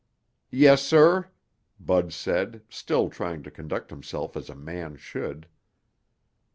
"Yes, sir," Bud said, still trying to conduct himself as a man should.